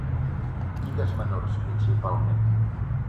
Lligues menors, principalment.